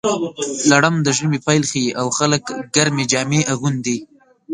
لړم د ژمي پیل ښيي، او خلک ګرمې جامې اغوندي.